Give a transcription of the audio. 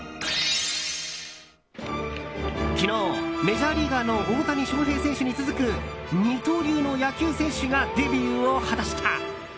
昨日、メジャーリーガーの大谷翔平選手に続く二刀流の野球選手がデビューを果たした。